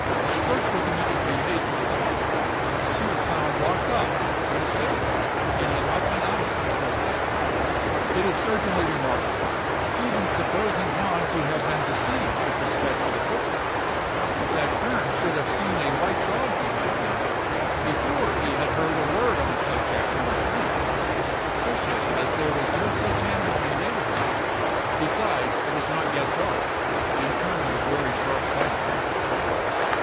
Search was immediately made for the dog, but she was found locked up in the stable and had not been out of it the whole day. It is certainly remarkable—even supposing Hahn to have been deceived with respect to the footsteps—that Kern should have seen a white dog behind him, before he had heard a word on the subject from his friend, especially as there was no such animal in the neighborhood; besides, it was not yet dark, and Kern was very sharp sighted.